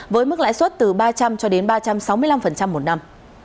với mức lãi suất từ ba trăm linh cho đến ba trăm sáu mươi năm một năm